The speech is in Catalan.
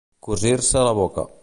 Cosir-se la boca.